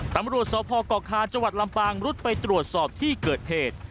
ตำรวจสพกคาจังหวัดลำปางรุดไปตรวจสอบที่เกิดเหตุ